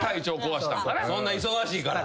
そんな忙しいから。